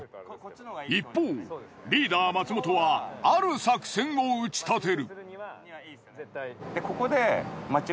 一方リーダー松本はある作戦を打ち立てる。